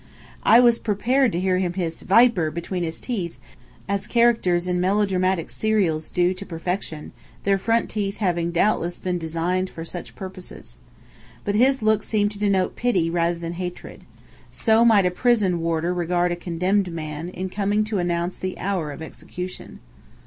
I was prepared to hear him hiss "Viper!" between his teeth, as characters in melodramatic serials do to perfection, their front teeth having doubtless been designed for such purposes. But his look seemed to denote pity rather than hatred. So might a prison warder regard a condemned man, in coming to announce the hour of execution.